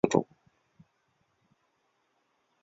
光果黄细心为紫茉莉科黄细心属下的一个种。